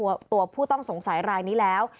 ตัวผู้ต้องสงสัยรายนี้แล้ว